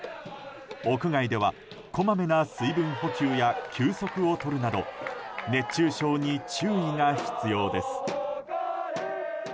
屋外では、こまめな水分補給や休息をとるなど熱中症に注意が必要です。